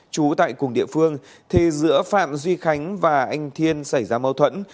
trú tại cùng địa phương thì giữa phạm duy khánh và anh thiên xảy ra mâu thuẫn